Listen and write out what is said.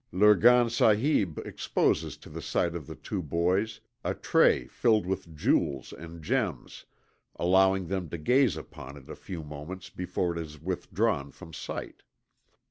Lurgan Sahib exposes to the sight of the two boys a tray filled with jewels and gems, allowing them to gaze upon it a few moments before it is withdrawn from sight.